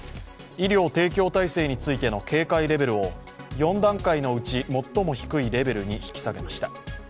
医療提供体制についての警戒レベルを４段階のうち、最も低いレベルに引き下げました。